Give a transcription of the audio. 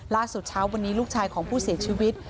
เช้าวันนี้ลูกชายของผู้เสียชีวิต